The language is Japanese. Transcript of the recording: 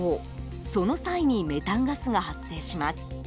その際にメタンガスが発生します。